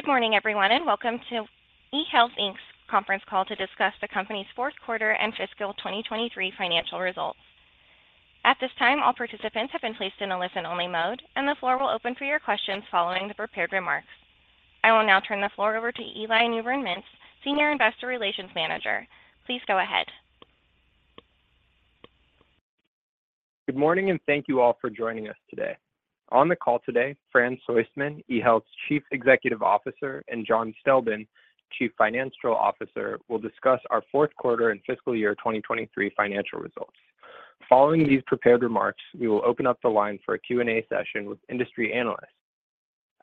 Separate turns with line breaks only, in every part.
Good morning, everyone, and welcome to eHealth, Inc.'s conference call to discuss the company's fourth quarter and fiscal 2023 financial results. At this time, all participants have been placed in a listen-only mode, and the floor will open for your questions following the prepared remarks. I will now turn the floor over to Eli Newbrun-Mintz, Senior Investor Relations Manager. Please go ahead.
Good morning, and thank you all for joining us today. On the call today, Fran Soistman, eHealth's Chief Executive Officer, and John Stelben, Chief Financial Officer, will discuss our fourth quarter and fiscal year 2023 financial results. Following these prepared remarks, we will open up the line for a Q&A session with industry analysts.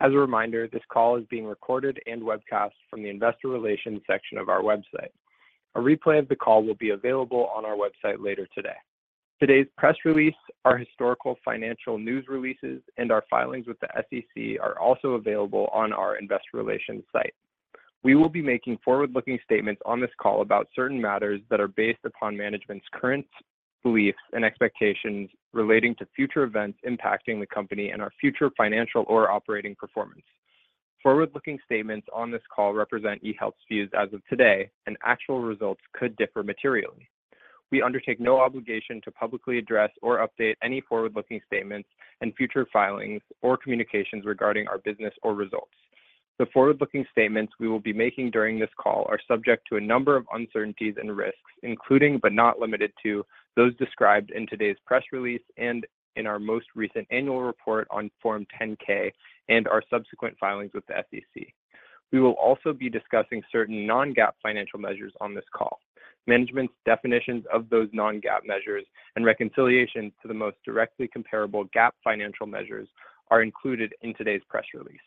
As a reminder, this call is being recorded and webcast from the Investor Relations section of our website. A replay of the call will be available on our website later today. Today's press release, our historical financial news releases, and our filings with the SEC are also available on our Investor Relations site. We will be making forward-looking statements on this call about certain matters that are based upon management's current beliefs and expectations relating to future events impacting the company and our future financial or operating performance. Forward-looking statements on this call represent eHealth's views as of today, and actual results could differ materially. We undertake no obligation to publicly address or update any forward-looking statements and future filings or communications regarding our business or results. The forward-looking statements we will be making during this call are subject to a number of uncertainties and risks, including but not limited to, those described in today's press release and in our most recent annual report on Form 10-K and our subsequent filings with the SEC. We will also be discussing certain non-GAAP financial measures on this call. Management's definitions of those non-GAAP measures and reconciliation to the most directly comparable GAAP financial measures are included in today's press release.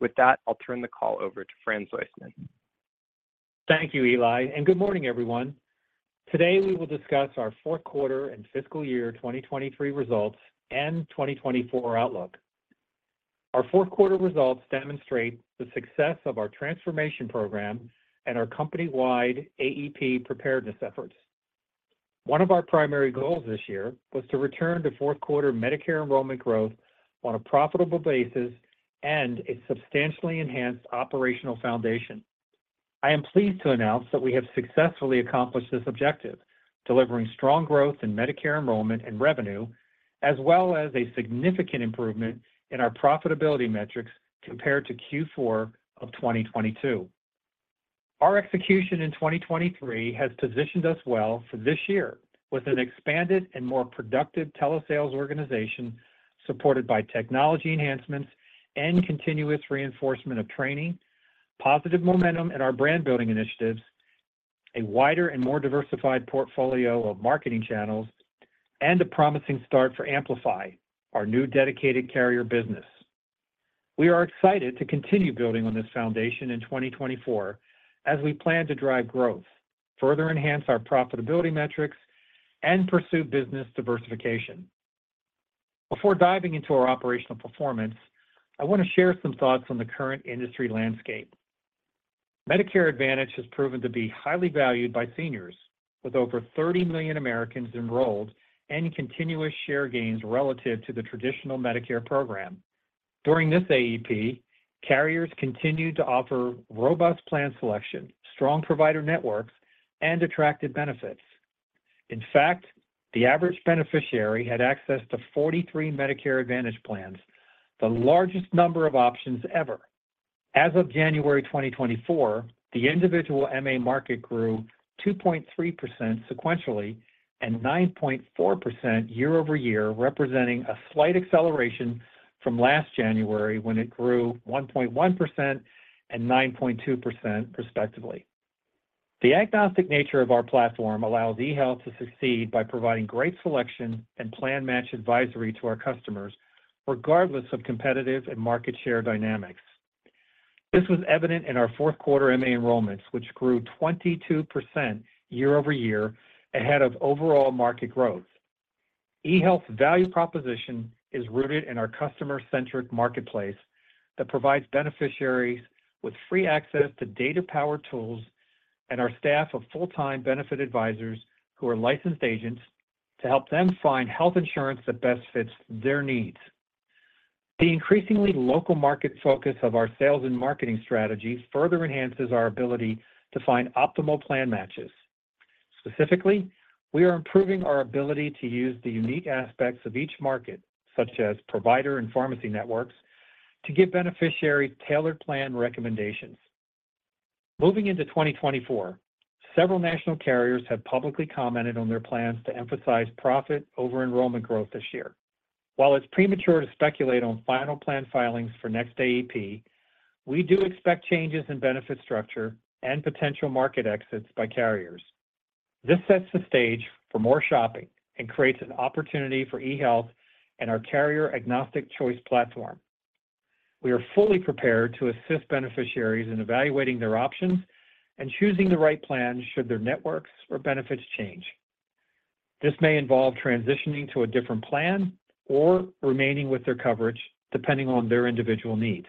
With that, I'll turn the call over to Fran Soistman.
Thank you, Eli, and good morning, everyone. Today we will discuss our fourth quarter and fiscal year 2023 results and 2024 outlook. Our fourth quarter results demonstrate the success of our transformation program and our company-wide AEP preparedness efforts. One of our primary goals this year was to return to fourth quarter Medicare enrollment growth on a profitable basis and a substantially enhanced operational foundation. I am pleased to announce that we have successfully accomplished this objective, delivering strong growth in Medicare enrollment and revenue, as well as a significant improvement in our profitability metrics compared to Q4 of 2022. Our execution in 2023 has positioned us well for this year with an expanded and more productive telesales organization supported by technology enhancements and continuous reinforcement of training, positive momentum in our brand-building initiatives, a wider and more diversified portfolio of marketing channels, and a promising start for Amplify, our new dedicated carrier business. We are excited to continue building on this foundation in 2024 as we plan to drive growth, further enhance our profitability metrics, and pursue business diversification. Before diving into our operational performance, I want to share some thoughts on the current industry landscape. Medicare Advantage has proven to be highly valued by seniors, with over 30 million Americans enrolled and continuous share gains relative to the traditional Medicare program. During this AEP, carriers continued to offer robust plan selection, strong provider networks, and attractive benefits. In fact, the average beneficiary had access to 43 Medicare Advantage plans, the largest number of options ever. As of January 2024, the individual MA market grew 2.3% sequentially and 9.4% year-over-year, representing a slight acceleration from last January when it grew 1.1% and 9.2%, respectively. The agnostic nature of our platform allows eHealth to succeed by providing great selection and plan-matched advisory to our customers, regardless of competitive and market share dynamics. This was evident in our fourth quarter MA enrollments, which grew 22% year-over-year ahead of overall market growth. eHealth's value proposition is rooted in our customer-centric marketplace that provides beneficiaries with free access to data-powered tools and our staff of full-time benefit advisors who are licensed agents to help them find health insurance that best fits their needs. The increasingly local market focus of our sales and marketing strategy further enhances our ability to find optimal plan matches. Specifically, we are improving our ability to use the unique aspects of each market, such as provider and pharmacy networks, to give beneficiaries tailored plan recommendations. Moving into 2024, several national carriers have publicly commented on their plans to emphasize profit over enrollment growth this year. While it's premature to speculate on final plan filings for next AEP, we do expect changes in benefit structure and potential market exits by carriers. This sets the stage for more shopping and creates an opportunity for eHealth and our carrier agnostic choice platform. We are fully prepared to assist beneficiaries in evaluating their options and choosing the right plan should their networks or benefits change. This may involve transitioning to a different plan or remaining with their coverage, depending on their individual needs.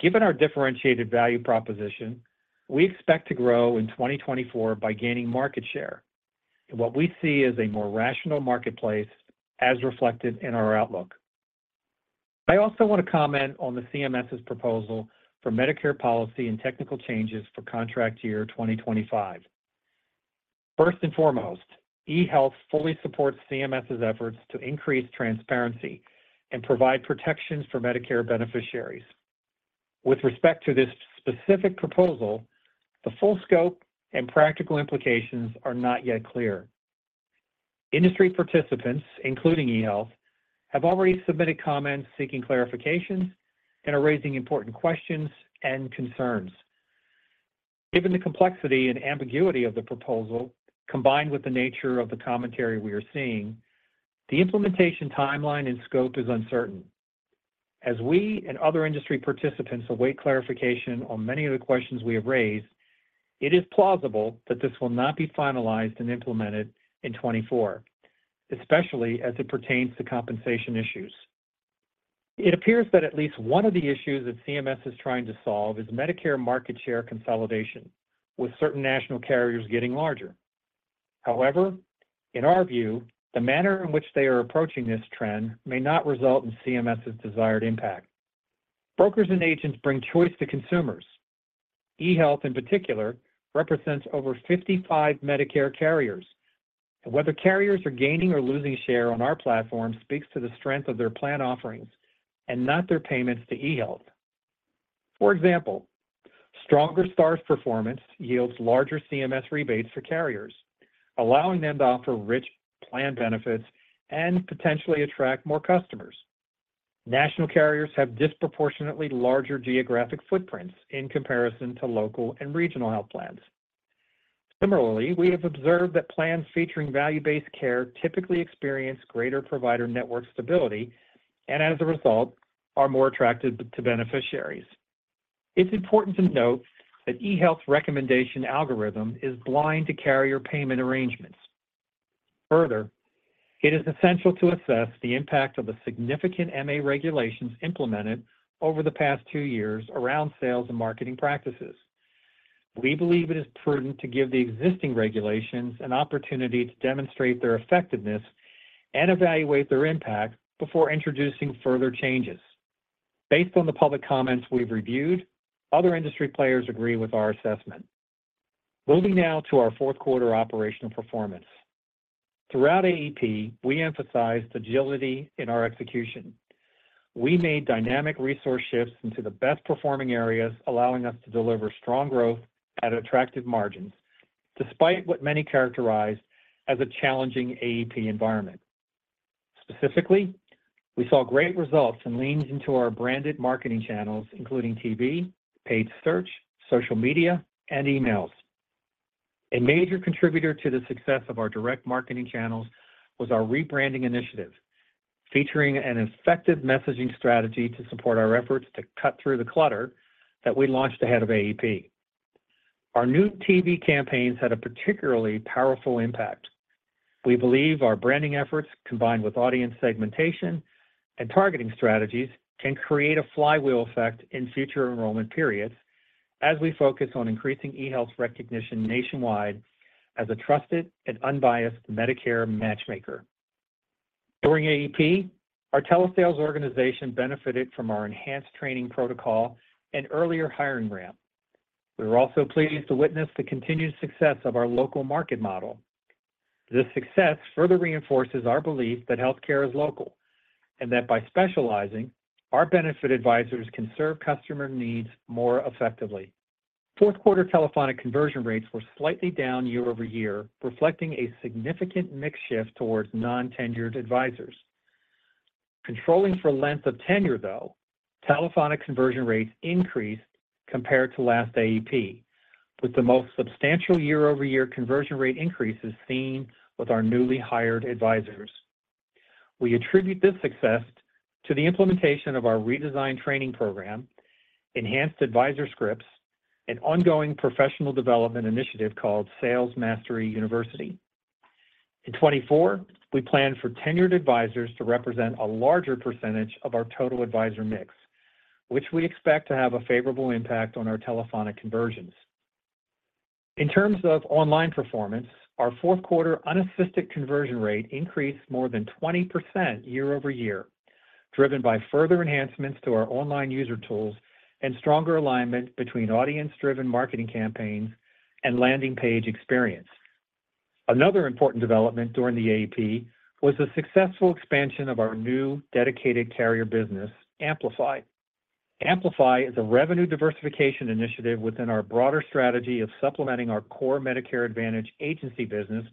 Given our differentiated value proposition, we expect to grow in 2024 by gaining market share in what we see as a more rational marketplace, as reflected in our outlook. I also want to comment on the CMS's proposal for Medicare policy and technical changes for contract year 2025. First and foremost, eHealth fully supports CMS's efforts to increase transparency and provide protections for Medicare beneficiaries. With respect to this specific proposal, the full scope and practical implications are not yet clear. Industry participants, including eHealth, have already submitted comments seeking clarifications and are raising important questions and concerns. Given the complexity and ambiguity of the proposal, combined with the nature of the commentary we are seeing, the implementation timeline and scope is uncertain. As we and other industry participants await clarification on many of the questions we have raised, it is plausible that this will not be finalized and implemented in 2024, especially as it pertains to compensation issues. It appears that at least one of the issues that CMS is trying to solve is Medicare market share consolidation, with certain national carriers getting larger. However, in our view, the manner in which they are approaching this trend may not result in CMS's desired impact. Brokers and agents bring choice to consumers. eHealth, in particular, represents over 55 Medicare carriers, and whether carriers are gaining or losing share on our platform speaks to the strength of their plan offerings and not their payments to eHealth. For example, stronger Stars Performance yields larger CMS rebates for carriers, allowing them to offer rich plan benefits and potentially attract more customers. National carriers have disproportionately larger geographic footprints in comparison to local and regional health plans. Similarly, we have observed that plans featuring value-based care typically experience greater provider network stability and, as a result, are more attractive to beneficiaries. It's important to note that eHealth's recommendation algorithm is blind to carrier payment arrangements. Further, it is essential to assess the impact of the significant MA regulations implemented over the past two years around sales and marketing practices. We believe it is prudent to give the existing regulations an opportunity to demonstrate their effectiveness and evaluate their impact before introducing further changes. Based on the public comments we've reviewed, other industry players agree with our assessment. Moving now to our fourth quarter operational performance. Throughout AEP, we emphasized agility in our execution. We made dynamic resource shifts into the best-performing areas, allowing us to deliver strong growth at attractive margins despite what many characterized as a challenging AEP environment. Specifically, we saw great results and leaned into our branded marketing channels, including TV, paid search, social media, and emails. A major contributor to the success of our direct marketing channels was our rebranding initiative, featuring an effective messaging strategy to support our efforts to cut through the clutter that we launched ahead of AEP. Our new TV campaigns had a particularly powerful impact. We believe our branding efforts, combined with audience segmentation and targeting strategies, can create a flywheel effect in future enrollment periods as we focus on increasing eHealth recognition nationwide as a trusted and unbiased Medicare matchmaker. During AEP, our telesales organization benefited from our enhanced training protocol and earlier hiring ramp. We were also pleased to witness the continued success of our local market model. This success further reinforces our belief that healthcare is local and that, by specializing, our benefit advisors can serve customer needs more effectively. Fourth quarter telephonic conversion rates were slightly down year-over-year, reflecting a significant mix shift towards non-tenured advisors. Controlling for length of tenure, though, telephonic conversion rates increased compared to last AEP, with the most substantial year-over-year conversion rate increases seen with our newly hired advisors. We attribute this success to the implementation of our redesigned training program, enhanced advisor scripts, and ongoing professional development initiative called Sales Mastery University. In 2024, we plan for tenured advisors to represent a larger percentage of our total advisor mix, which we expect to have a favorable impact on our telephonic conversions. In terms of online performance, our fourth quarter unassisted conversion rate increased more than 20% year-over-year, driven by further enhancements to our online user tools and stronger alignment between audience-driven marketing campaigns and landing page experience. Another important development during the AEP was the successful expansion of our new dedicated carrier business, Amplify. Amplify is a revenue diversification initiative within our broader strategy of supplementing our core Medicare Advantage agency business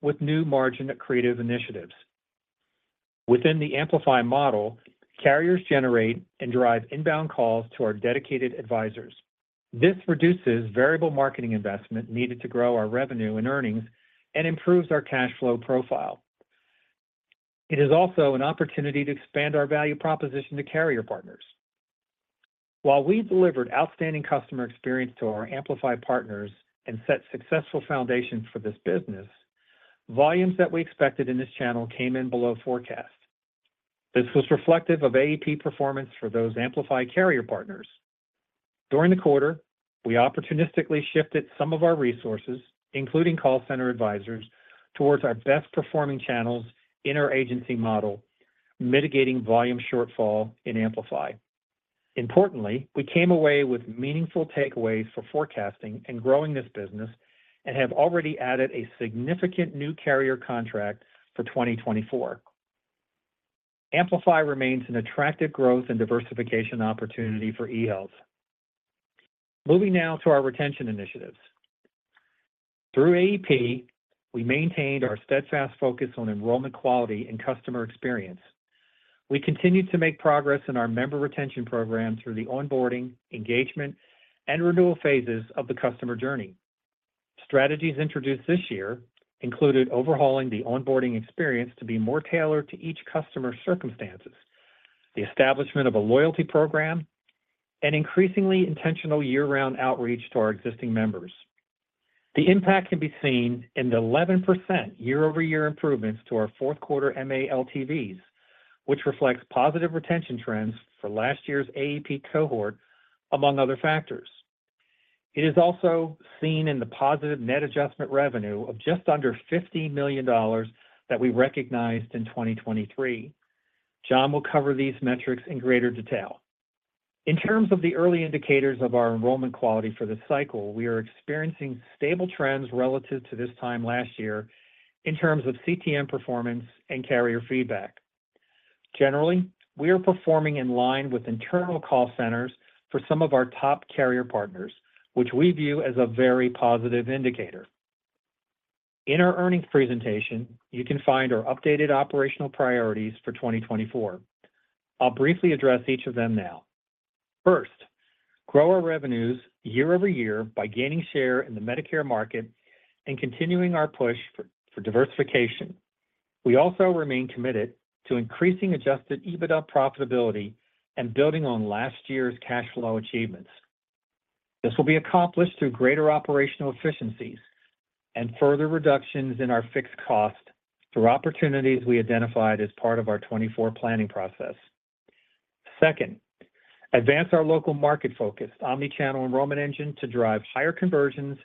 with new margin creative initiatives. Within the Amplify model, carriers generate and drive inbound calls to our dedicated advisors. This reduces variable marketing investment needed to grow our revenue and earnings and improves our cash flow profile. It is also an opportunity to expand our value proposition to carrier partners. While we delivered outstanding customer experience to our Amplify partners and set successful foundations for this business, volumes that we expected in this channel came in below forecast. This was reflective of AEP performance for those Amplify carrier partners. During the quarter, we opportunistically shifted some of our resources, including call center advisors, towards our best-performing channels in our agency model, mitigating volume shortfall in Amplify. Importantly, we came away with meaningful takeaways for forecasting and growing this business and have already added a significant new carrier contract for 2024. Amplify remains an attractive growth and diversification opportunity for eHealth. Moving now to our retention initiatives. Through AEP, we maintained our steadfast focus on enrollment quality and customer experience. We continued to make progress in our member retention program through the onboarding, engagement, and renewal phases of the customer journey. Strategies introduced this year included overhauling the onboarding experience to be more tailored to each customer's circumstances, the establishment of a loyalty program, and increasingly intentional year-round outreach to our existing members. The impact can be seen in the 11% year-over-year improvements to our fourth quarter MA LTVs, which reflects positive retention trends for last year's AEP cohort, among other factors. It is also seen in the positive net adjustment revenue of just under $50 million that we recognized in 2023. John will cover these metrics in greater detail. In terms of the early indicators of our enrollment quality for this cycle, we are experiencing stable trends relative to this time last year in terms of CTM performance and carrier feedback. Generally, we are performing in line with internal call centers for some of our top carrier partners, which we view as a very positive indicator. In our earnings presentation, you can find our updated operational priorities for 2024. I'll briefly address each of them now. First, grow our revenues year over year by gaining share in the Medicare market and continuing our push for diversification. We also remain committed to increasing Adjusted EBITDA profitability and building on last year's cash flow achievements. This will be accomplished through greater operational efficiencies and further reductions in our fixed costs through opportunities we identified as part of our 2024 planning process. Second, advance our local market-focused omnichannel enrollment engine to drive higher conversions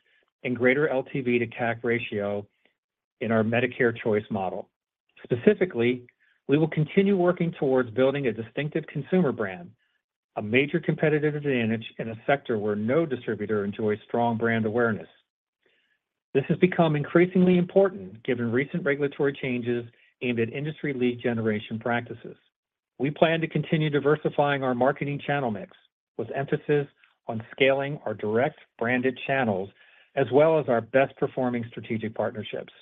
and greater LTV to CAC Ratio in our Medicare choice model. Specifically, we will continue working towards building a distinctive consumer brand, a major competitive advantage in a sector where no distributor enjoys strong brand awareness. This has become increasingly important given recent regulatory changes aimed at industry lead generation practices. We plan to continue diversifying our marketing channel mix with emphasis on scaling our direct branded channels as well as our best-performing strategic partnerships.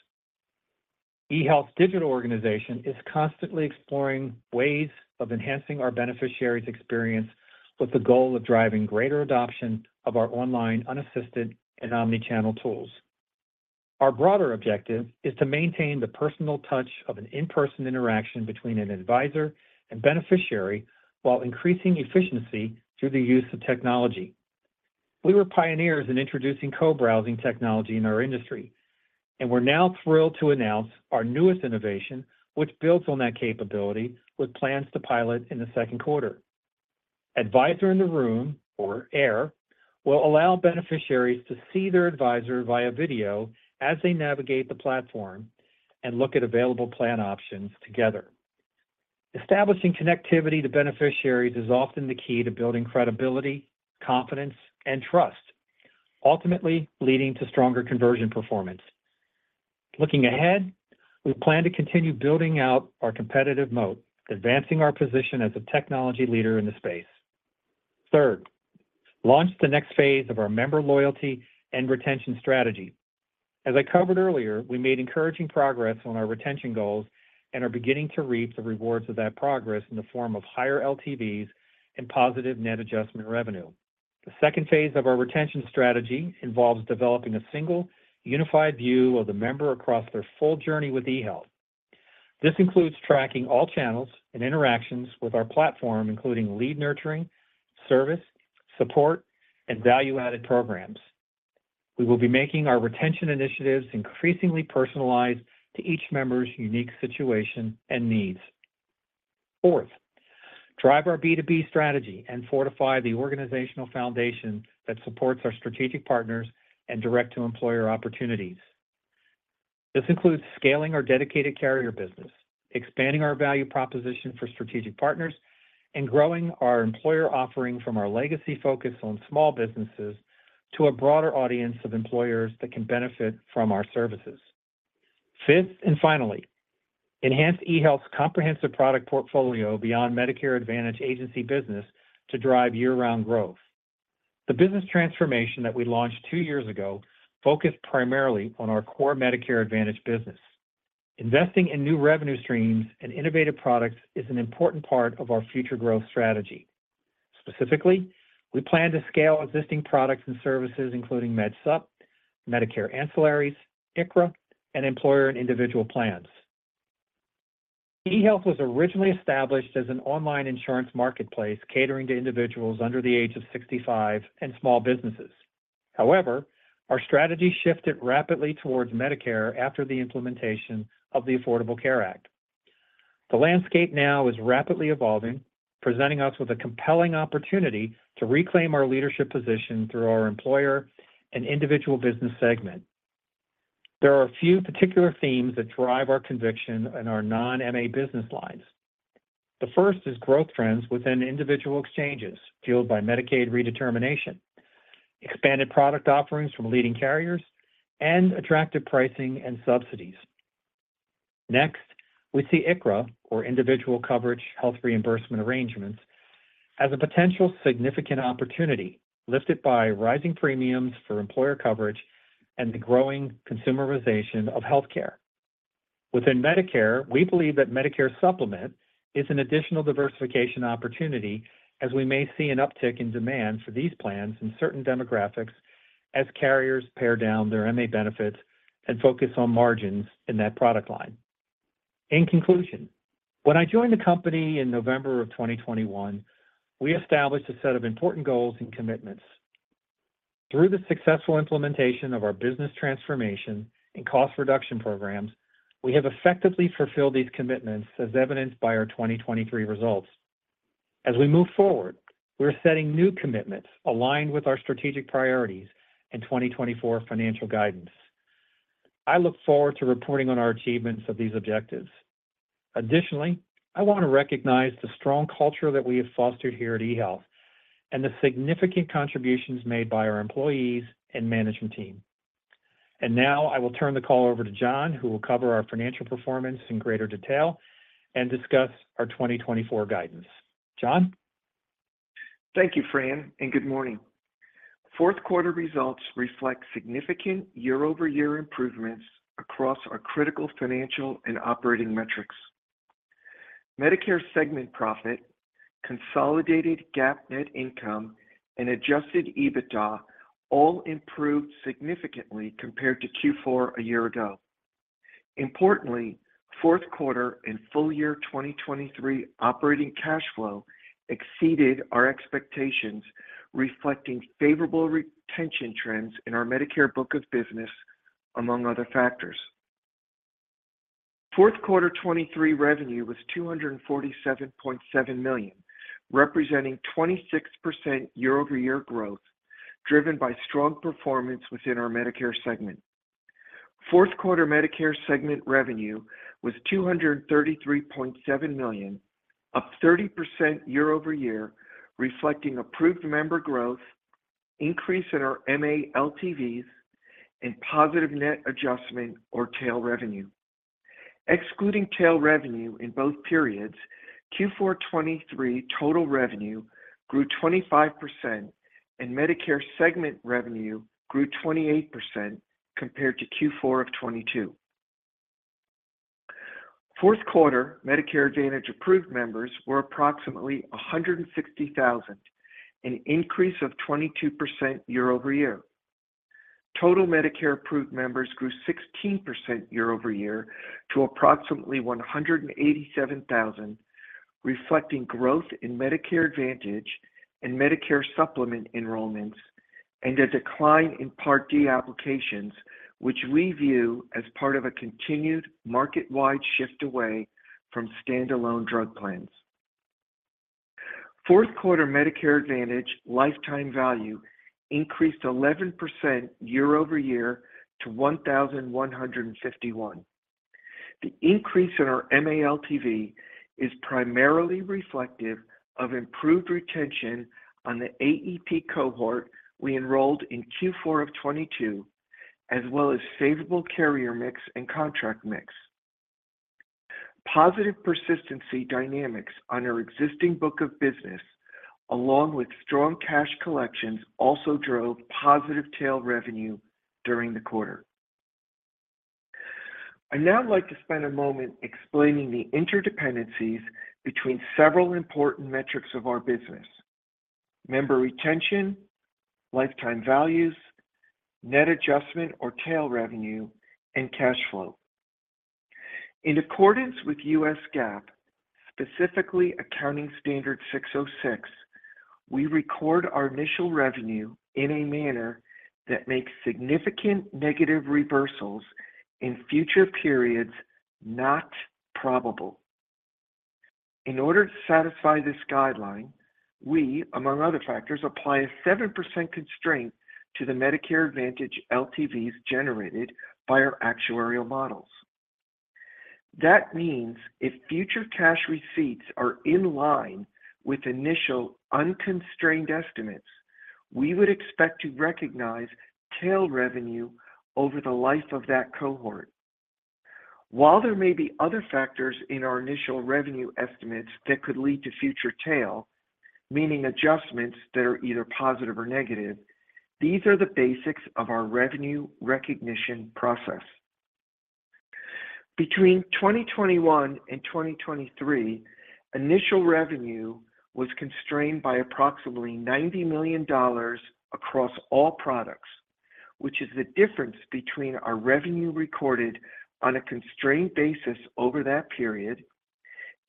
eHealth's digital organization is constantly exploring ways of enhancing our beneficiaries' experience with the goal of driving greater adoption of our online unassisted and omnichannel tools. Our broader objective is to maintain the personal touch of an in-person interaction between an advisor and beneficiary while increasing efficiency through the use of technology. We were pioneers in introducing co-browsing technology in our industry, and we're now thrilled to announce our newest innovation, which builds on that capability, with plans to pilot in the second quarter. Advisor in the Room, or AIR, will allow beneficiaries to see their advisor via video as they navigate the platform and look at available plan options together. Establishing connectivity to beneficiaries is often the key to building credibility, confidence, and trust, ultimately leading to stronger conversion performance. Looking ahead, we plan to continue building out our competitive moat, advancing our position as a technology leader in the space. Third, launch the next phase of our member loyalty and retention strategy. As I covered earlier, we made encouraging progress on our retention goals and are beginning to reap the rewards of that progress in the form of higher LTVs and positive Net Adjustment Revenue. The second phase of our retention strategy involves developing a single, unified view of the member across their full journey with eHealth. This includes tracking all channels and interactions with our platform, including lead nurturing, service, support, and value-added programs. We will be making our retention initiatives increasingly personalized to each member's unique situation and needs. Fourth, drive our B2B strategy and fortify the organizational foundation that supports our strategic partners and direct-to-employer opportunities. This includes scaling our dedicated carrier business, expanding our value proposition for strategic partners, and growing our employer offering from our legacy focus on small businesses to a broader audience of employers that can benefit from our services. Fifth and finally, enhance eHealth's comprehensive product portfolio beyond Medicare Advantage agency business to drive year-round growth. The business transformation that we launched two years ago focused primarily on our core Medicare Advantage business. Investing in new revenue streams and innovative products is an important part of our future growth strategy. Specifically, we plan to scale existing products and services, including Med Supp, Medicare Ancillaries, ICHRA, and employer and individual plans. eHealth was originally established as an online insurance marketplace catering to individuals under the age of 65 and small businesses. However, our strategy shifted rapidly towards Medicare after the implementation of the Affordable Care Act. The landscape now is rapidly evolving, presenting us with a compelling opportunity to reclaim our leadership position through our employer and individual business segment. There are a few particular themes that drive our conviction in our non-MA business lines. The first is growth trends within individual exchanges fueled by Medicaid redetermination, expanded product offerings from leading carriers, and attractive pricing and subsidies. Next, we see ICHRA, or Individual Coverage Health Reimbursement Arrangements, as a potential significant opportunity lifted by rising premiums for employer coverage and the growing consumerization of healthcare. Within Medicare, we believe that Medicare Supplement is an additional diversification opportunity, as we may see an uptick in demand for these plans in certain demographics as carriers pare down their MA benefits and focus on margins in that product line. In conclusion, when I joined the company in November of 2021, we established a set of important goals and commitments. Through the successful implementation of our business transformation and cost reduction programs, we have effectively fulfilled these commitments, as evidenced by our 2023 results. As we move forward, we're setting new commitments aligned with our strategic priorities and 2024 financial guidance. I look forward to reporting on our achievements of these objectives. Additionally, I want to recognize the strong culture that we have fostered here at eHealth and the significant contributions made by our employees and management team. And now I will turn the call over to John, who will cover our financial performance in greater detail and discuss our 2024 guidance. John?
Thank you, Fran, and good morning. Fourth quarter results reflect significant year-over-year improvements across our critical financial and operating metrics. Medicare segment profit, consolidated GAAP net income, and adjusted EBITDA all improved significantly compared to Q4 a year ago. Importantly, fourth quarter and full year 2023 operating cash flow exceeded our expectations, reflecting favorable retention trends in our Medicare book of business, among other factors. Fourth quarter 2023 revenue was $247.7 million, representing 26% year-over-year growth driven by strong performance within our Medicare segment. Fourth quarter Medicare segment revenue was $233.7 million, up 30% year-over-year, reflecting approved member growth, increase in our MA LTVs, and positive net adjustment, or tail revenue. Excluding tail revenue in both periods, Q4 2023 total revenue grew 25%, and Medicare segment revenue grew 28% compared to Q4 of 2022. Fourth quarter Medicare Advantage approved members were approximately 160,000, an increase of 22% year-over-year. Total Medicare approved members grew 16% year-over-year to approximately 187,000, reflecting growth in Medicare Advantage and Medicare Supplement enrollments and a decline in Part D applications, which we view as part of a continued market-wide shift away from standalone drug plans. Fourth quarter Medicare Advantage lifetime value increased 11% year-over-year to $1,151. The increase in our MA LTV is primarily reflective of improved retention on the AEP cohort we enrolled in Q4 of 2022, as well as favorable carrier mix and contract mix. Positive persistency dynamics on our existing book of business, along with strong cash collections, also drove positive tail revenue during the quarter. I now like to spend a moment explaining the interdependencies between several important metrics of our business: member retention, lifetime values, net adjustment, or tail revenue, and cash flow. In accordance with U.S. GAAP, specifically Accounting Standard 606, we record our initial revenue in a manner that makes significant negative reversals in future periods not probable. In order to satisfy this guideline, we, among other factors, apply a 7% constraint to the Medicare Advantage LTVs generated by our actuarial models. That means if future cash receipts are in line with initial unconstrained estimates, we would expect to recognize tail revenue over the life of that cohort. While there may be other factors in our initial revenue estimates that could lead to future tail, meaning adjustments that are either positive or negative, these are the basics of our revenue recognition process. Between 2021 and 2023, initial revenue was constrained by approximately $90 million across all products, which is the difference between our revenue recorded on a constrained basis over that period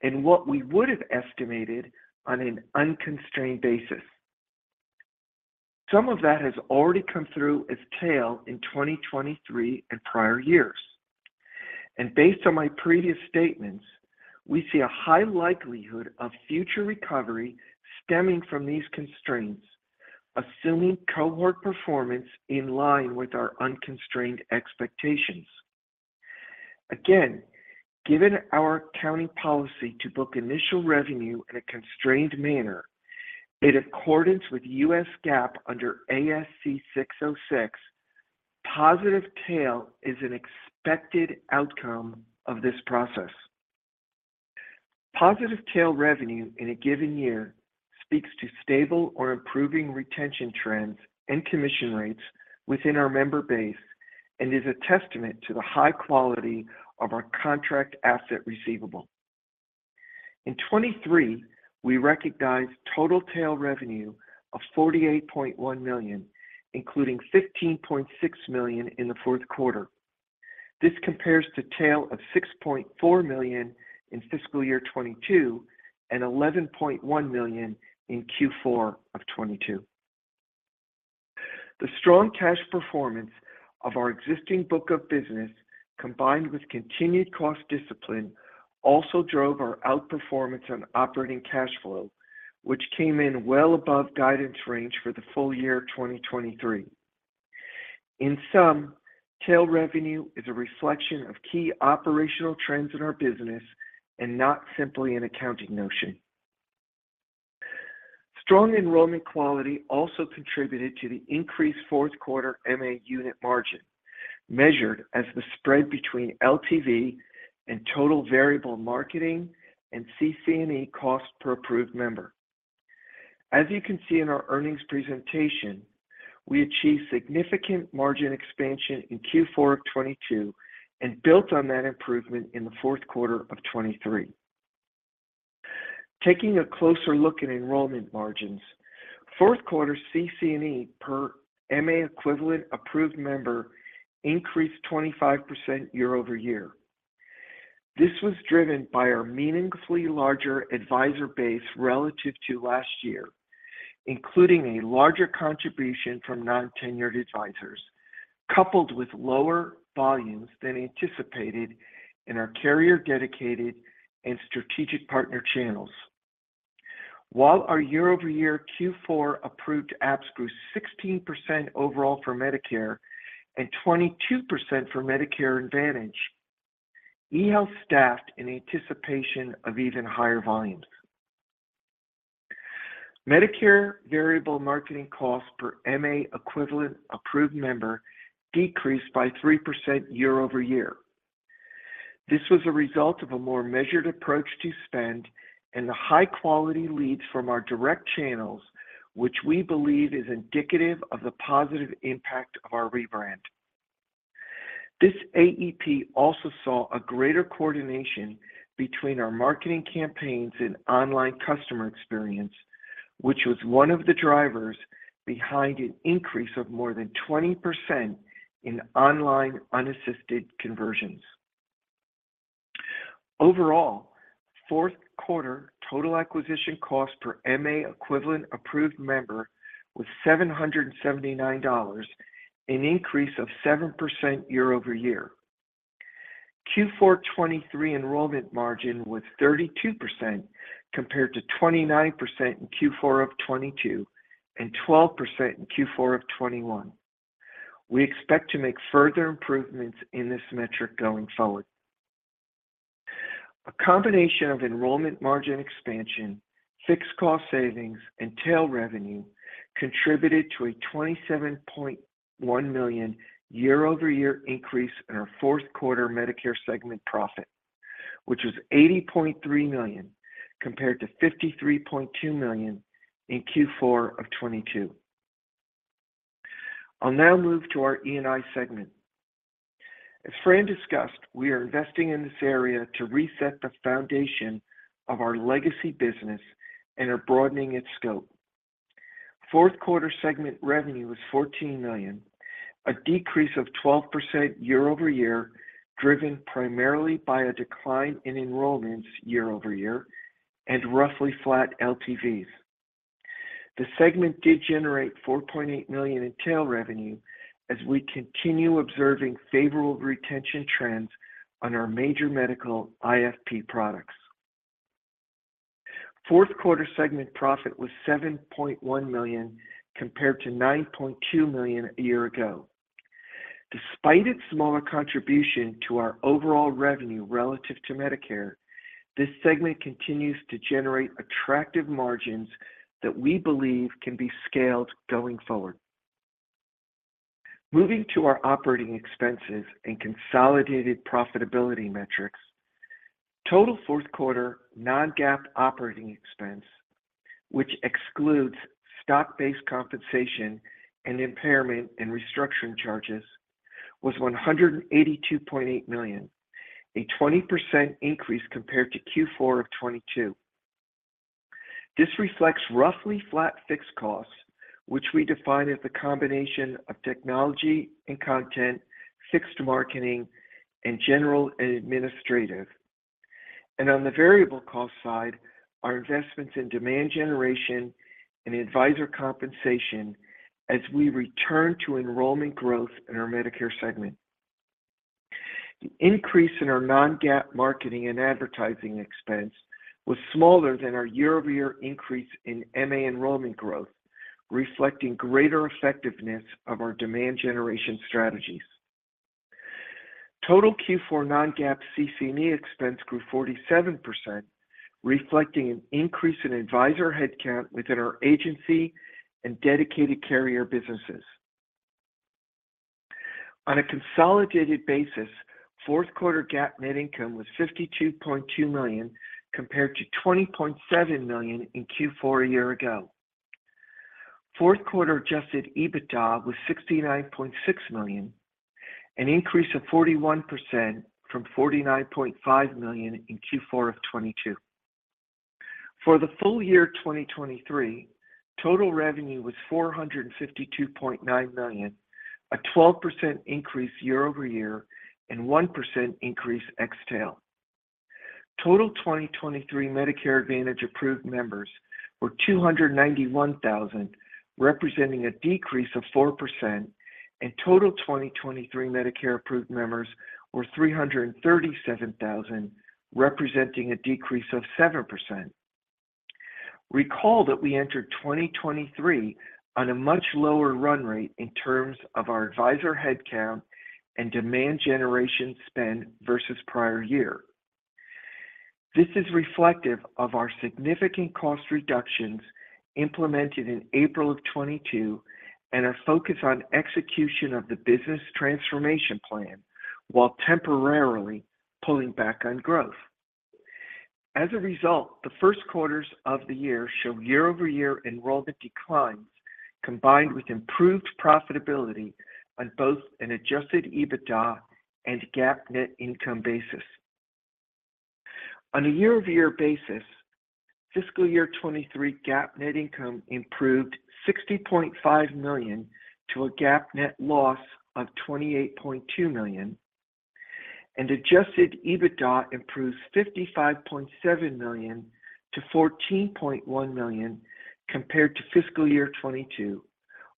and what we would have estimated on an unconstrained basis. Some of that has already come through as tail in 2023 and prior years. Based on my previous statements, we see a high likelihood of future recovery stemming from these constraints, assuming cohort performance in line with our unconstrained expectations. Again, given our accounting policy to book initial revenue in a constrained manner, in accordance with U.S. GAAP under ASC 606, positive tail is an expected outcome of this process. Positive tail revenue in a given year speaks to stable or improving retention trends and commission rates within our member base and is a testament to the high quality of our contract asset receivable. In 2023, we recognized total tail revenue of $48.1 million, including $15.6 million in the fourth quarter. This compares to tail of $6.4 million in fiscal year 2022 and $11.1 million in Q4 of 2022. The strong cash performance of our existing book of business, combined with continued cost discipline, also drove our outperformance on operating cash flow, which came in well above guidance range for the full year 2023. In sum, tail revenue is a reflection of key operational trends in our business and not simply an accounting notion. Strong enrollment quality also contributed to the increased fourth quarter MA unit margin, measured as the spread between LTV and total variable marketing and CC&E cost per approved member. As you can see in our earnings presentation, we achieved significant margin expansion in Q4 of 2022 and built on that improvement in the fourth quarter of 2023. Taking a closer look at enrollment margins, fourth quarter CC&E per MA equivalent approved member increased 25% year-over-year. This was driven by our meaningfully larger advisor base relative to last year, including a larger contribution from non-tenured advisors, coupled with lower volumes than anticipated in our carrier dedicated and strategic partner channels. While our year-over-year Q4 approved apps grew 16% overall for Medicare and 22% for Medicare Advantage, eHealth staffed in anticipation of even higher volumes. Medicare variable marketing cost per MA equivalent approved member decreased by 3% year over year. This was a result of a more measured approach to spend and the high-quality leads from our direct channels, which we believe is indicative of the positive impact of our rebrand. This AEP also saw a greater coordination between our marketing campaigns and online customer experience, which was one of the drivers behind an increase of more than 20% in online unassisted conversions. Overall, fourth quarter total acquisition cost per MA equivalent approved member was $779, an increase of 7% year-over-year. Q4 2023 enrollment margin was 32% compared to 29% in Q4 of 2022 and 12% in Q4 of 2021. We expect to make further improvements in this metric going forward. A combination of enrollment margin expansion, fixed cost savings, and tail revenue contributed to a $27.1 million year-over-year increase in our fourth quarter Medicare segment profit, which was $80.3 million compared to $53.2 million in Q4 of 2022. I'll now move to our E&I segment. As Fran discussed, we are investing in this area to reset the foundation of our legacy business and are broadening its scope. Fourth quarter segment revenue was $14 million, a decrease of 12% year-over-year driven primarily by a decline in enrollments year-over-year and roughly flat LTVs. The segment did generate $4.8 million in tail revenue as we continue observing favorable retention trends on our major medical IFP products. Fourth quarter segment profit was $7.1 million compared to $9.2 million a year ago. Despite its smaller contribution to our overall revenue relative to Medicare, this segment continues to generate attractive margins that we believe can be scaled going forward. Moving to our operating expenses and consolidated profitability metrics, total fourth quarter non-GAAP operating expense, which excludes stock-based compensation and impairment and restructuring charges, was $182.8 million, a 20% increase compared to Q4 of 2022. This reflects roughly flat fixed costs, which we define as the combination of technology and content, fixed marketing, and general and administrative. On the variable cost side, our investments in demand generation and advisor compensation as we return to enrollment growth in our Medicare segment. The increase in our Non-GAAP marketing and advertising expense was smaller than our year-over-year increase in MA enrollment growth, reflecting greater effectiveness of our demand generation strategies. Total Q4 Non-GAAP CC&E expense grew 47%, reflecting an increase in advisor headcount within our agency and dedicated carrier businesses. On a consolidated basis, fourth quarter GAAP net income was $52.2 million compared to $20.7 million in Q4 a year ago. Fourth quarter adjusted EBITDA was $69.6 million, an increase of 41% from $49.5 million in Q4 of 2022. For the full year 2023, total revenue was $452.9 million, a 12% increase year-over-year and 1% increase ex-tail. Total 2023 Medicare Advantage approved members were 291,000, representing a decrease of 4%, and total 2023 Medicare approved members were 337,000, representing a decrease of 7%. Recall that we entered 2023 on a much lower run rate in terms of our advisor headcount and demand generation spend versus prior year. This is reflective of our significant cost reductions implemented in April of 2022 and our focus on execution of the business transformation plan while temporarily pulling back on growth. As a result, the first quarters of the year show year-over-year enrollment declines combined with improved profitability on both an adjusted EBITDA and GAAP net income basis. On a year-over-year basis, fiscal year 2023 GAAP net income improved $60.5 million to a GAAP net loss of $28.2 million, and adjusted EBITDA improves $55.7 million to $14.1 million compared to fiscal year 2022,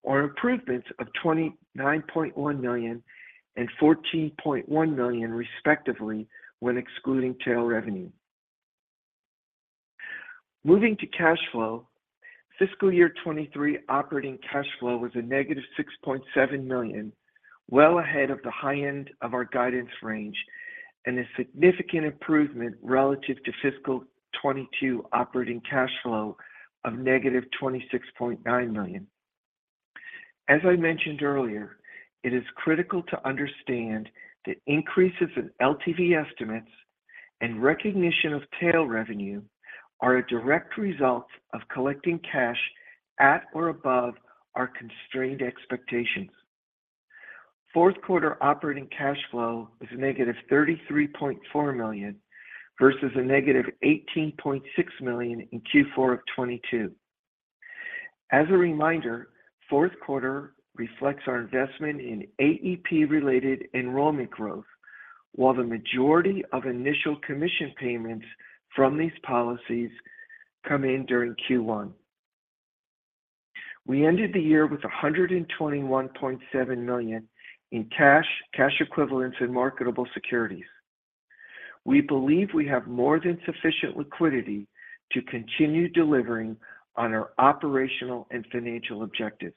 or improvements of $29.1 million and $14.1 million respectively when excluding tail revenue. Moving to cash flow, fiscal year 2023 operating cash flow was a negative $6.7 million, well ahead of the high end of our guidance range and a significant improvement relative to fiscal 2022 operating cash flow of negative $26.9 million. As I mentioned earlier, it is critical to understand that increases in LTV estimates and recognition of tail revenue are a direct result of collecting cash at or above our constrained expectations. Fourth quarter operating cash flow was negative $33.4 million versus a negative $18.6 million in Q4 of 2022. As a reminder, fourth quarter reflects our investment in AEP-related enrollment growth, while the majority of initial commission payments from these policies come in during Q1. We ended the year with $121.7 million in cash, cash equivalents, and marketable securities. We believe we have more than sufficient liquidity to continue delivering on our operational and financial objectives.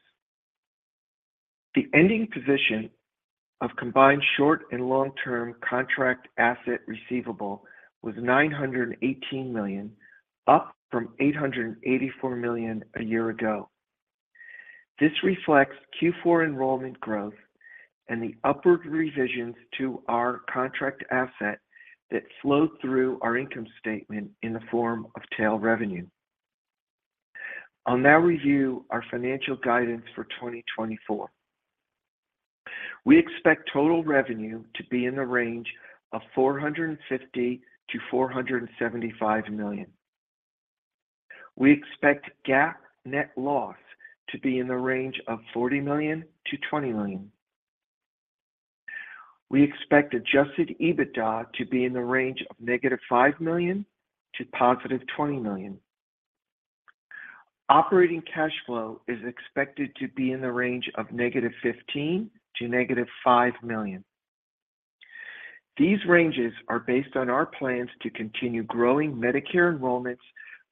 The ending position of combined short and long-term contract asset receivable was $918 million, up from $884 million a year ago. This reflects Q4 enrollment growth and the upward revisions to our contract asset that flow through our income statement in the form of tail revenue. I'll now review our financial guidance for 2024. We expect total revenue to be in the range of $450-$475 million. We expect GAAP net loss to be in the range of -$40 million to -$20 million. We expect Adjusted EBITDA to be in the range of -$5 million to +$20 million. Operating cash flow is expected to be in the range of -$15 million to -$5 million. These ranges are based on our plans to continue growing Medicare enrollments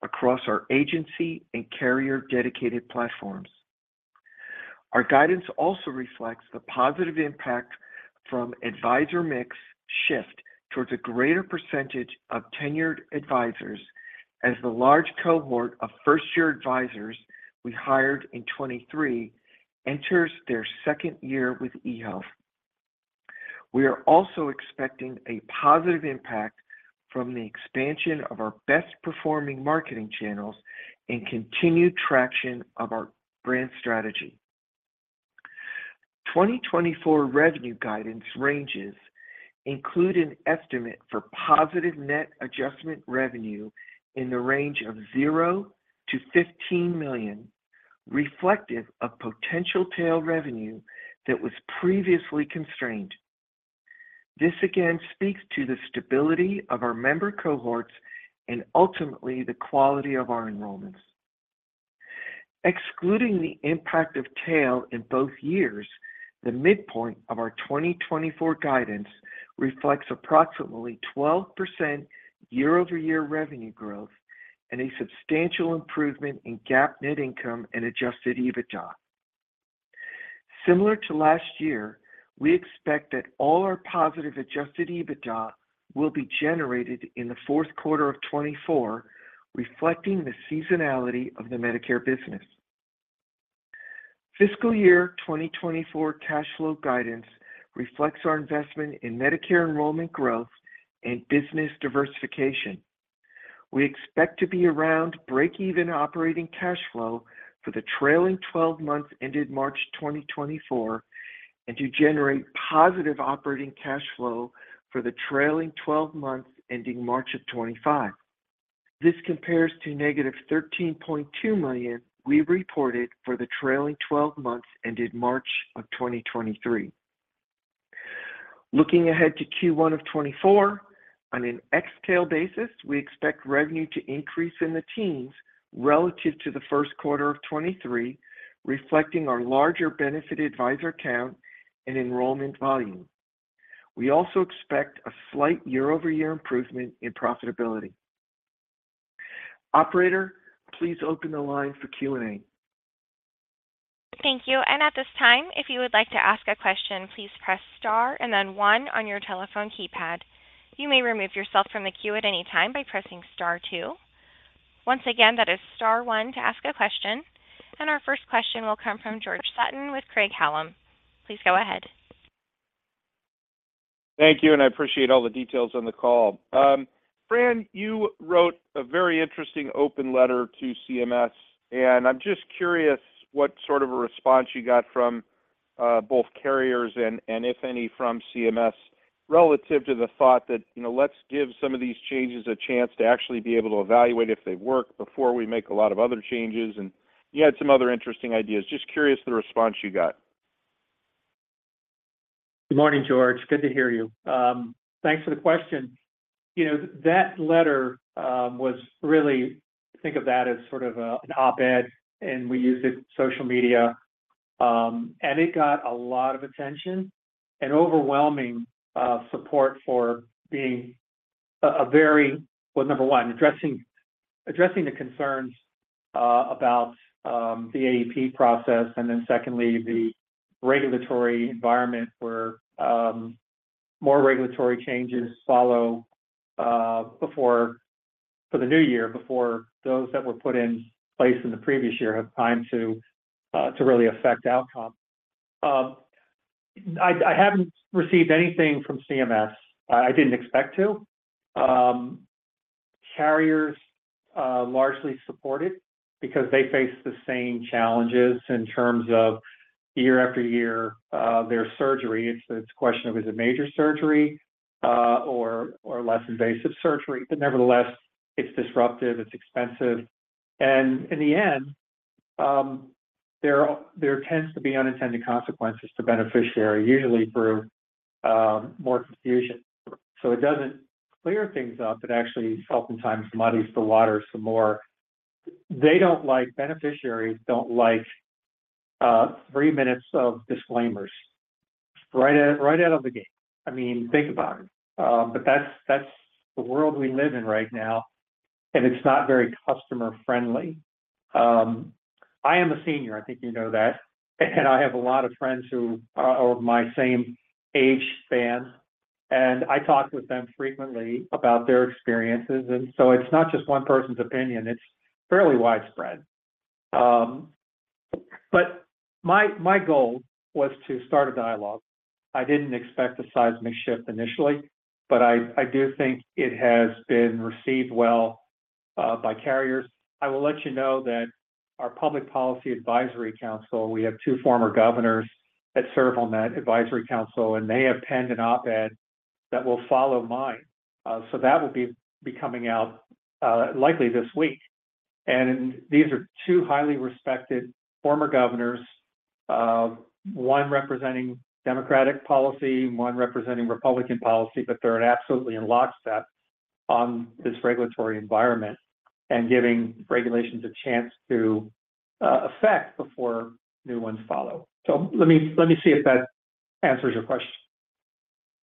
across our agency and carrier dedicated platforms. Our guidance also reflects the positive impact from advisor mix shift towards a greater percentage of tenured advisors as the large cohort of first-year advisors we hired in 2023 enters their second year with eHealth. We are also expecting a positive impact from the expansion of our best-performing marketing channels and continued traction of our brand strategy. 2024 revenue guidance ranges include an estimate for positive net adjustment revenue in the range of $0-$15 million, reflective of potential tail revenue that was previously constrained. This again speaks to the stability of our member cohorts and ultimately the quality of our enrollments. Excluding the impact of tail in both years, the midpoint of our 2024 guidance reflects approximately 12% year-over-year revenue growth and a substantial improvement in GAAP net income and Adjusted EBITDA. Similar to last year, we expect that all our positive adjusted EBITDA will be generated in the fourth quarter of 2024, reflecting the seasonality of the Medicare business. Fiscal year 2024 cash flow guidance reflects our investment in Medicare enrollment growth and business diversification. We expect to be around break-even operating cash flow for the trailing 12 months ended March 2024 and to generate positive operating cash flow for the trailing 12 months ending March of 2025. This compares to negative $13.2 million we reported for the trailing 12 months ended March of 2023. Looking ahead to Q1 of 2024, on an ex-tail basis, we expect revenue to increase in the teens relative to the first quarter of 2023, reflecting our larger benefited advisor count and enrollment volume. We also expect a slight year-over-year improvement in profitability. Operator, please open the line for Q&A. Thank you.
And at this time, if you would like to ask a question, please press * and then 1 on your telephone keypad. You may remove yourself from the queue at any time by pressing *2. Once again, that is *1 to ask a question. And our first question will come from George Sutton with Craig-Hallum. Please go ahead.
Thank you, and I appreciate all the details on the call. Fran, you wrote a very interesting open letter to CMS, and I'm just curious what sort of a response you got from both carriers and, if any, from CMS relative to the thought that, "Let's give some of these changes a chance to actually be able to evaluate if they work before we make a lot of other changes." You had some other interesting ideas. Just curious the response you got?
Good morning, George. Good to hear you. Thanks for the question. That letter, we really think of that as sort of an op-ed, and we used it on social media. It got a lot of attention and overwhelming support for being very well, number one, addressing the concerns about the AEP process and then secondly, the regulatory environment where more regulatory changes follow for the new year before those that were put in place in the previous year have time to really affect outcome. I haven't received anything from CMS. I didn't expect to. Carriers largely support it because they face the same challenges in terms of year after year their surgery. It's a question of, "Is it major surgery or less invasive surgery?" But nevertheless, it's disruptive. It's expensive. And in the end, there tends to be unintended consequences to beneficiary, usually through more confusion. So it doesn't clear things up. It actually oftentimes muddies the water some more. They don't like. Beneficiaries don't like three minutes of disclaimers right out of the gate. I mean, think about it. But that's the world we live in right now, and it's not very customer-friendly. I am a senior. I think you know that. And I have a lot of friends who are of my same age band, and I talk with them frequently about their experiences. And so it's not just one person's opinion. It's fairly widespread. But my goal was to start a dialogue. I didn't expect a seismic shift initially, but I do think it has been received well by carriers. I will let you know that our Public Policy Advisory Council. We have two former governors that serve on that advisory council, and they have penned an op-ed that will follow mine. So, that will be coming out likely this week. These are two highly respected former governors, one representing Democratic policy, one representing Republican policy, but they're absolutely in lockstep on this regulatory environment and giving regulations a chance to take effect before new ones follow. So let me see if that answers your question.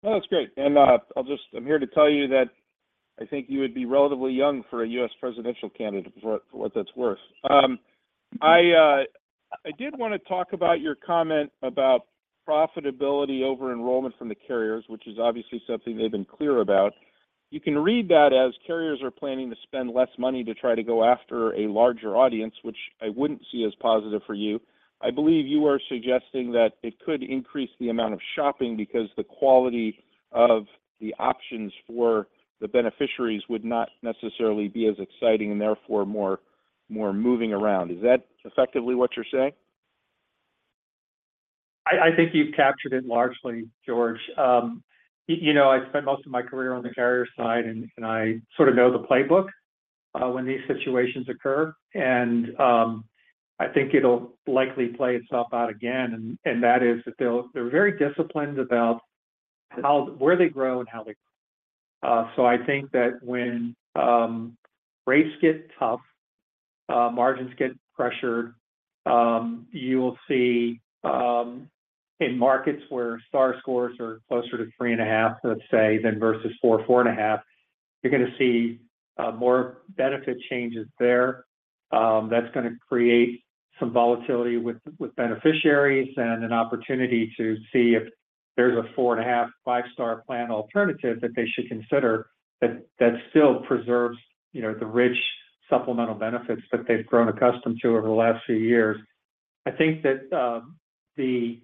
No, that's great. And I'm here to tell you that I think you would be relatively young for a U.S. presidential candidate, for what that's worth. I did want to talk about your comment about profitability over enrollment from the carriers, which is obviously something they've been clear about. You can read that as carriers are planning to spend less money to try to go after a larger audience, which I wouldn't see as positive for you. I believe you are suggesting that it could increase the amount of shopping because the quality of the options for the beneficiaries would not necessarily be as exciting and therefore more moving around. Is that effectively what you're saying?
I think you've captured it largely, George. I spent most of my career on the carrier side, and I sort of know the playbook when these situations occur. And I think it'll likely play itself out again. And that is that they're very disciplined about where they grow and how they grow. So I think that when rates get tough, margins get pressured, you will see in markets where STARS scores are closer to 3.5, let's say, than versus 4, 4.5, you're going to see more benefit changes there. That's going to create some volatility with beneficiaries and an opportunity to see if there's a 4.5, 5-star plan alternative that they should consider that still preserves the rich supplemental benefits that they've grown accustomed to over the last few years. I think that the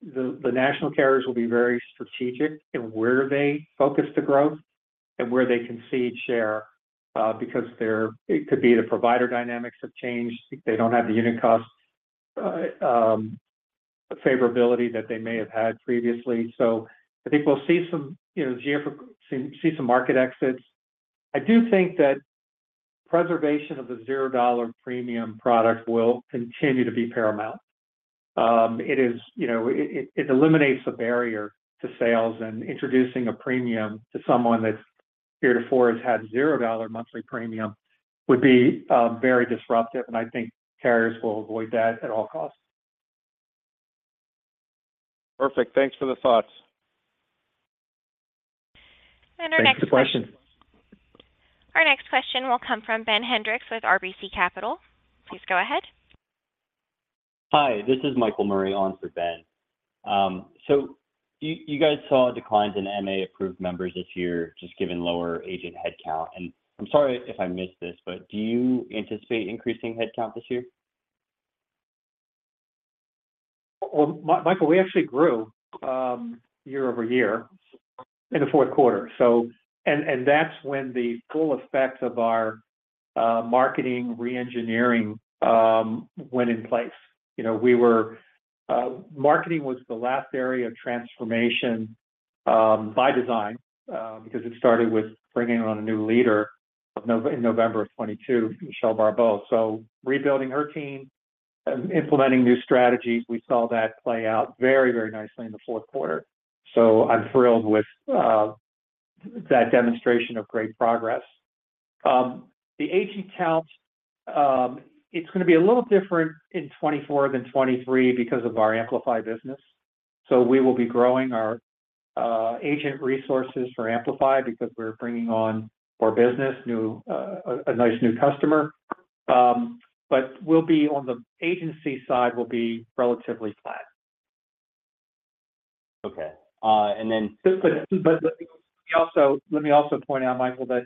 national carriers will be very strategic in where they focus the growth and where they can seed share because it could be the provider dynamics have changed. They don't have the unit cost favorability that they may have had previously. So I think we'll see some market exits. I do think that preservation of the $0 premium product will continue to be paramount. It eliminates the barrier to sales, and introducing a premium to someone that year to four has had $0 monthly premium would be very disruptive. And I think carriers will avoid that at all costs.
Perfect. Thanks for the thoughts.
Our next question.
Thanks for the question.
Our next question will come from Ben Hendricks with RBC Capital. Please go ahead.
Hi. This is Michael Murray on for Ben. So you guys saw declines in MA-approved members this year just given lower agent headcount. And I'm sorry if I missed this, but do you anticipate increasing headcount this year?
Well, Michael, we actually grew year-over-year in the fourth quarter. And that's when the full effect of our marketing reengineering went in place. Marketing was the last area of transformation by design because it started with bringing on a new leader in November of 2022, Michelle Barbeau. So rebuilding her team, implementing new strategies, we saw that play out very, very nicely in the fourth quarter. So I'm thrilled with that demonstration of great progress. The agent count, it's going to be a little different in 2024 than 2023 because of our Amplify business. So we will be growing our agent resources for Amplify because we're bringing on more business, a nice new customer. But on the agency side, we'll be relatively flat.
Okay. And then.
But let me also point out, Michael, that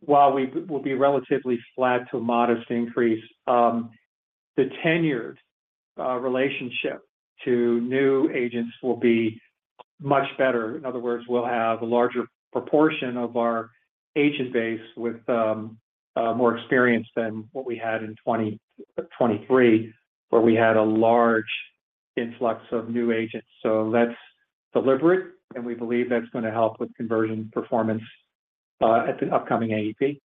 while we will be relatively flat to a modest increase, the tenured relationship to new agents will be much better. In other words, we'll have a larger proportion of our agent base with more experience than what we had in 2023 where we had a large influx of new agents. So that's deliberate, and we believe that's going to help with conversion performance at the upcoming AEP.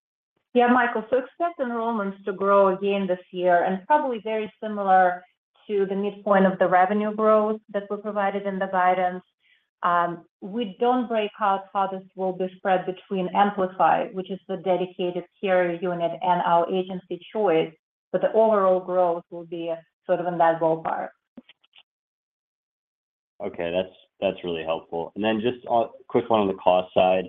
Yeah, Michael. So expect enrollments to grow again this year and probably very similar to the midpoint of the revenue growth that we provided in the guidance. We don't break out how this will be spread between Amplify, which is the dedicated carrier unit, and our agency choice, but the overall growth will be sort of in that ballpark.
Okay. That's really helpful. And then just a quick one on the cost side.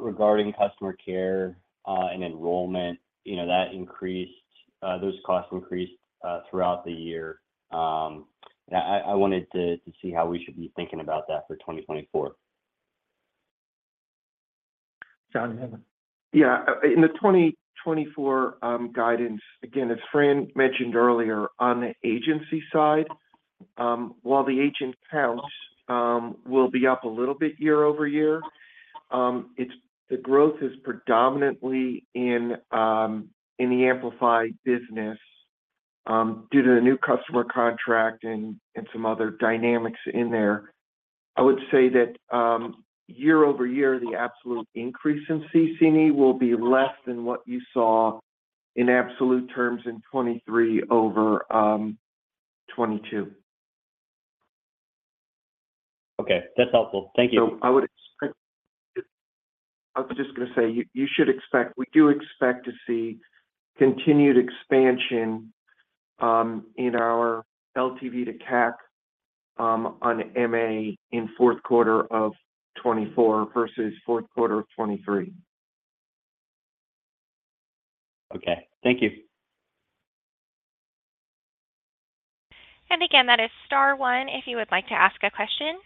Regarding customer care and enrollment, those costs increased throughout the year. And I wanted to see how we should be thinking about that for 2024.
Yeah. In the 2024 guidance, again, as Fran mentioned earlier, on the agency side, while the agent count will be up a little bit year-over-year, the growth is predominantly in the Amplify business due to the new customer contract and some other dynamics in there. I would say that year-over-year, the absolute increase in CC&E will be less than what you saw in absolute terms in 2023 over 2022.
Okay. That's helpful. Thank you.
I was just going to say you should expect we do expect to see continued expansion in our LTV to CAC on MA in fourth quarter of 2024 versus fourth quarter of 2023.
Okay. Thank you.
And again, that is star one if you would like to ask a question.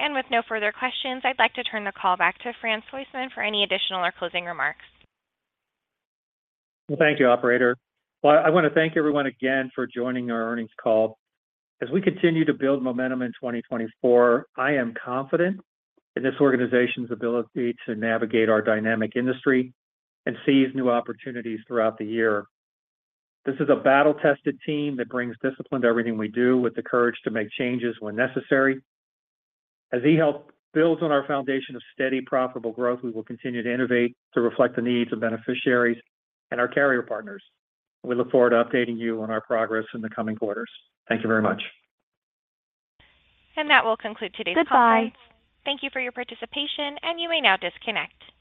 With no further questions, I'd like to turn the call back to Fran Soistman for any additional or closing remarks.
Well, thank you, operator. Well, I want to thank everyone again for joining our earnings call. As we continue to build momentum in 2024, I am confident in this organization's ability to navigate our dynamic industry and seize new opportunities throughout the year. This is a battle-tested team that brings discipline to everything we do with the courage to make changes when necessary. As eHealth builds on our foundation of steady, profitable growth, we will continue to innovate to reflect the needs of beneficiaries and our carrier partners. We look forward to updating you on our progress in the coming quarters. Thank you very much.
That will conclude today's call.
Goodbye.
Thank you for your participation, and you may now disconnect.